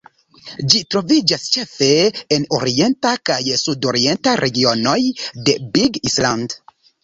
Ĝi troviĝas ĉefe en orienta kaj sudorienta regionoj de Big Island.